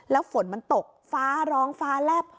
แล้วฝนมันตกฟ้าร้องฟ้าแลบ